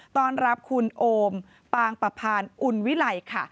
ต้อนรับคุณโอมปางปะพานอุ่นวิไลค่ะ